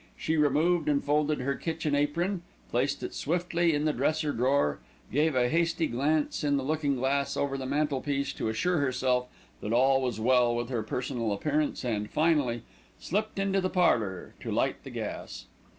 She removed and folded her kitchen apron, placing it swiftly in the dresser drawer, gave a hasty glance in the looking glass over the mantelpiece to assure herself that all was well with her personal appearance and, finally, slipped into the parlour to light the gas.